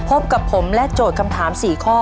พบกับผมและโจทย์คำถาม๔ข้อ